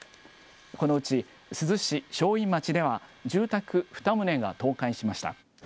このうち珠洲市正院町では住宅２棟が倒壊しました。